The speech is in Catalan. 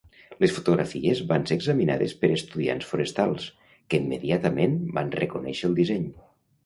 Les fotografies van ser examinades per estudiants forestals, que immediatament van reconèixer el disseny.